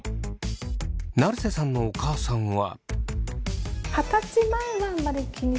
成瀬さんのお母さんは。